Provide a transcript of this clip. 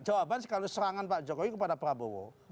jawaban sekaligus serangan pak jokowi kepada prabowo